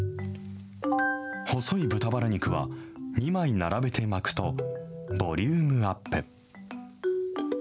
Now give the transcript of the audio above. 細い豚バラ肉は２枚並べて巻くとボリュームアップ。